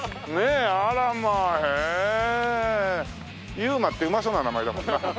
「悠馬」ってうまそうな名前だもんな。